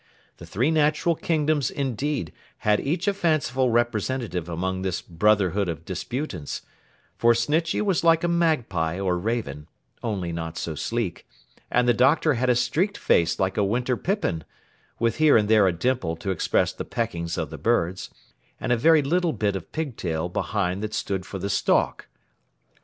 The three natural kingdoms, indeed, had each a fanciful representative among this brotherhood of disputants; for Snitchey was like a magpie or raven (only not so sleek), and the Doctor had a streaked face like a winter pippin, with here and there a dimple to express the peckings of the birds, and a very little bit of pigtail behind that stood for the stalk.